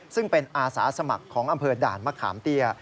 ซึ่งเป็นอาสาสมัครของอำเภอด่านมะขามเตี้ย